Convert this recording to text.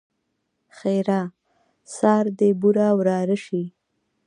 ښېرا؛ سار دې بوره وراره شي!